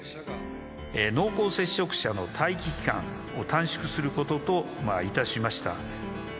濃厚接触者の待機期間を短縮することといたしました。